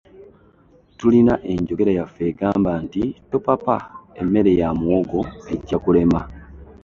Tulina enjogera yaffe egamba nti “Topapa emmere ya muwogo ejja kulema.”